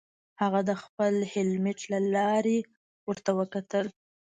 هغه د خپل هیلمټ له لارې ورته وکتل